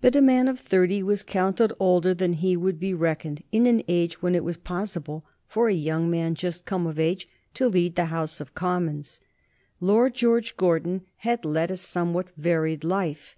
But a man of thirty was counted older than he would not be reckoned, in an epoch when it was possible for a young man just come of age to lead the House of Commons. Lord George Gordon had led a somewhat varied life.